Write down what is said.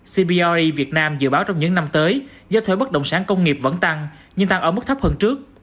cbry việt nam dự báo trong những năm tới giá thuê bất động sản công nghiệp vẫn tăng nhưng tăng ở mức thấp hơn trước